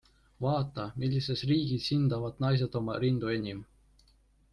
Vaata, millises riigis hindavad naised oma rindu enim!